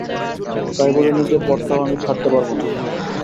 তাই বলে নিজের পথটাও আমি ছাড়তে পারব না।